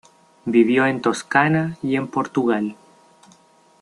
Vivió en Toscana y en Portugal.